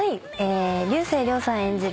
竜星涼さん演じる